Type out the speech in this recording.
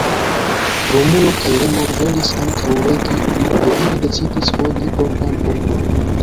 Romulo kaj Remo volis ankaŭ regi, do ili decidis fondi propran urbon.